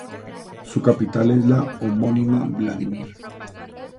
Su capital es la homónima Vladímir.